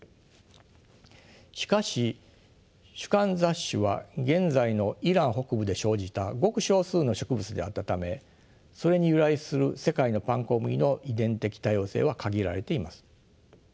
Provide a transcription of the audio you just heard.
しかし種間雑種は現在のイラン北部で生じたごく少数の植物であったためそれに由来する世界のパンコムギの遺伝的多様性は限られています。